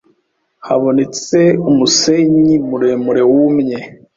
Habonetse umusenyi muremure wumye